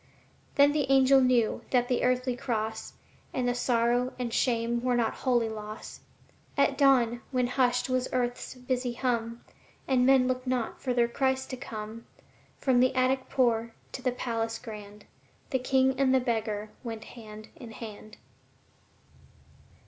Then the angel knew that the earthly cross And the sorrow and shame were not wholly loss. At dawn, when hushed was earth's busy hum And men looked not for their Christ to come, From the attic poor to the palace grand, The King and the beggar went hand in hand.